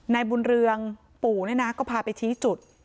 นายบุญเรืองปู่เนี่ยนะก็พาไปชี้จุด